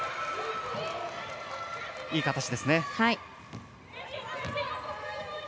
いい形ですね。